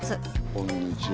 こんにちは。